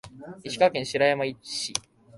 石川県白山市